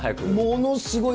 ものすごい